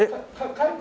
帰って。